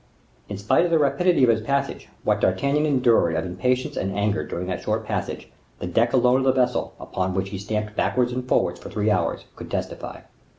In spite of the rapidity of his passage, what D'Artagnan endured of impatience and anger during that short passage, the deck alone of the vessel, upon which he stamped backwards and forwards for three hours, could testify.